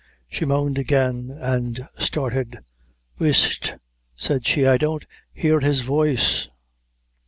She moaned again, and started. "Whist," said she; "I don't hear his voice."